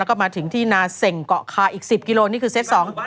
แล้วก็มาถึงที่นาเสงเกาะคาอีก๑๐กิโลนี่คือเซตสอง